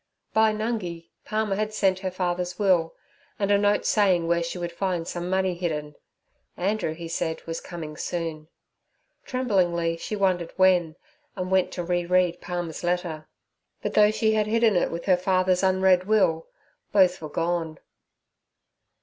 By Nungi, Palmer had sent her father's will, and a note saying where she would find some money hidden. Andrew, he said, was coming soon. Tremblingly she wondered when, and went to reread Palmer's letter, but though she had hidden it with her father's unread will, both were gone.